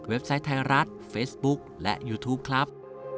ไซต์ไทยรัฐเฟซบุ๊คและยูทูปครับ